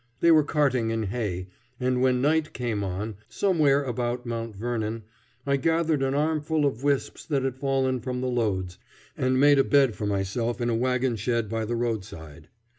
They were carting in hay, and when night came on, somewhere about Mount Vernon, I gathered an armful of wisps that had fallen from the loads, and made a bed for myself in a wagon shed by the roadside.